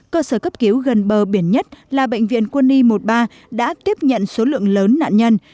cơ sở cấp cứu gần bờ biển nhất là bệnh viện quân y một mươi ba đã tiếp nhận số lượng lớn nạn nhân